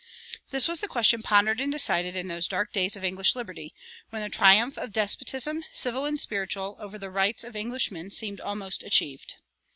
This was the question pondered and decided in those dark days of English liberty, when the triumph of despotism, civil and spiritual, over the rights of Englishmen seemed almost achieved.